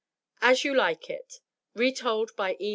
AS YOU LIKE IT Retold by E.